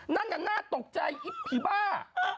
นั่งอย่างน่าตกใจไอ้ผีบ้า